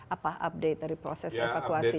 apa update dari proses evakuasi